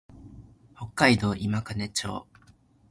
北海道今金町